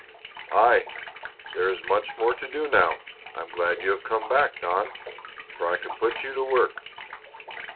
"Aye! There is much more to do now. I am glad you have come back, Don, for I can put you to work."